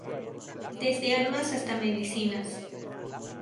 Desde armas hasta medicinas.